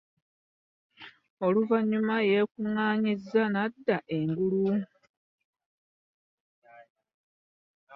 Oluvannyuma yeekuŋŋaanyizza n'adda engulu.